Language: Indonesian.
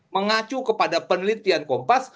mengacu kepada penelitian kompas